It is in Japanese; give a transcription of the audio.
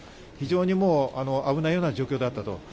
非常に危ないような状況だったと。